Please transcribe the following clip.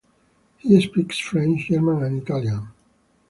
He speaks French, German and Italian.